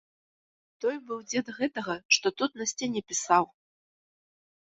Той быў дзед гэтага, што тут на сцяне пісаў.